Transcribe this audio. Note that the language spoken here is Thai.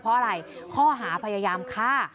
เพราะอะไรข้อหาพยายามฆ่า